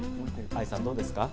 愛さん、どうですか？